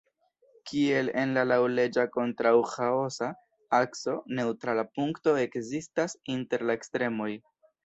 Kiel en la laŭleĝa-kontraŭ-ĥaosa akso, neŭtrala punkto ekzistas inter la ekstremoj.